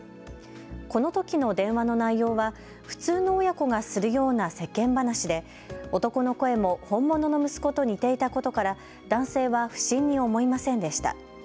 このときの電話の内容は普通の親子がするような世間話で男の声も本物の息子と似ていたことから男性は不審に思いませんでした。